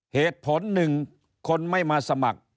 เหตุผลหนึ่งคนไม่มาสมัคร